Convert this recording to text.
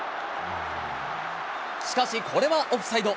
しかし、これはオフサイド。